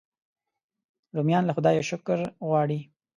رومیان له خدایه شکر غواړي